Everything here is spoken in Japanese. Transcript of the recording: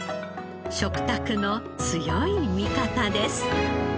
食卓の強い味方です。